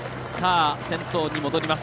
先頭に戻ります。